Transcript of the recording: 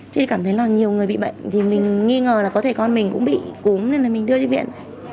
thì cảm thấy là nhiều người bị bệnh thì mình nghi ngờ là có thể con mình cũng bị cúm nên là mình đưa đi viện